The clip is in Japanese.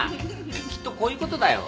きっとこういうことだよ。